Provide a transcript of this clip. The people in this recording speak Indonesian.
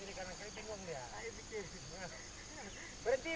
jangan datang lagi